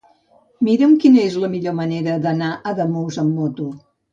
Mira'm quina és la millor manera d'anar a Ademús amb moto.